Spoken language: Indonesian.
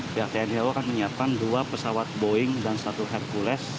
pihak tni heo akan menyiapkan dua pesawat boeing dan satu hercules